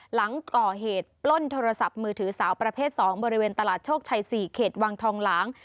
หลังก่อเหตุปล้นโทรศัพท์มือถือสาวประเภท๒บริเวณตลาดโชคชัย๔เขตวังทองหลาง